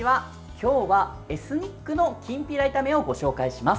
今日はエスニックのきんぴら炒めをご紹介します。